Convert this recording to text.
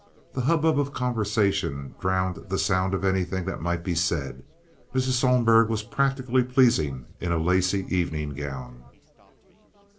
The hubbub of conversation drowned the sound of anything that might be said. Mrs. Sohlberg was particularly pleasing in a lacy evening gown.